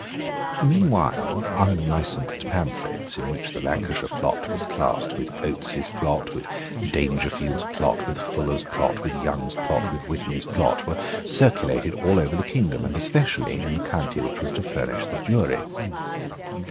Meanwhile unlicensed pamphlets, in which the Lancashire plot was classed with Oates's plot, with Dangerfield's plot, with Fuller's plot, with Young's plot, with Whitney's plot, were circulated all over the kingdom, and especially in the county which was to furnish the jury.